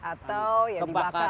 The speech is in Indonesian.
atau ya dibakar